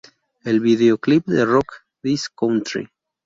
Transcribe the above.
El vídeo clip de "Rock This Country!